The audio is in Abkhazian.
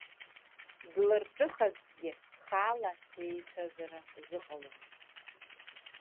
Длырҿыхазҭгьы, хаала еицәажәара зыҟаломызт.